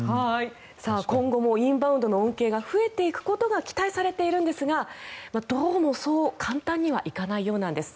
今後もインバウンドの恩恵が増えていくことが期待されているんですがどうもそう簡単にはいかないようなんです。